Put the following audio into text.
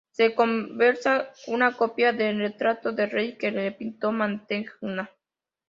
Se conserva una copia del retrato del rey que le pintó Mantegna.